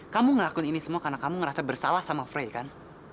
kamu ngelakuin ini semua karena kamu ngerasa bersalah sama frey kan